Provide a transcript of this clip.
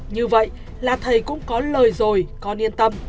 như vậy là thầy cũng có lời rồi con yên tâm